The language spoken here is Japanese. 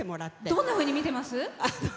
どんなふうに見てます？